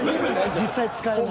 実際使えない。